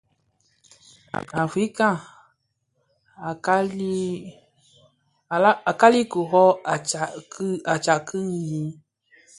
Afrika nʼl, a kali ki rö, a tsad king kii.